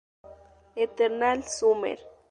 Eternal Summer".